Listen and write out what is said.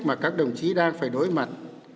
mà các đồng chí đang phải đối mặt